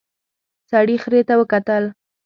سړي خرې ته وکتل.